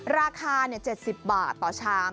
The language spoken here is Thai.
ราคา๗๐บาทต่อชาม